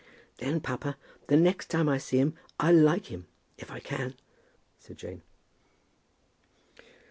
"Then, papa, the next time I see him I'll like him, if I can," said Jane.